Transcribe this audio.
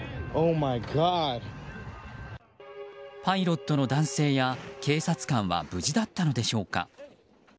パイロットの男性や警察官は無事だったのでしょうか。